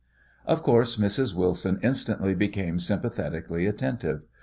Of course Mrs. Wilson instantly became sympathetically attentive.